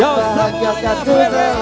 rapat pilih mangaru batu